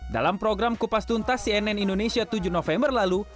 dalam program kupas tuntas cnn indonesia tujuh november lalu